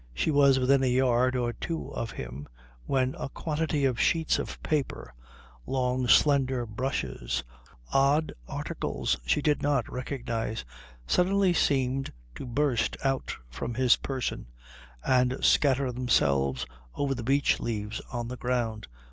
She was within a yard or two of him when a quantity of sheets of paper, long slender brushes, odd articles she did not recognise, suddenly seemed to burst out from his person and scatter themselves over the beech leaves on the ground.